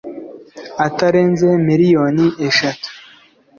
atarenze miliyoni eshatu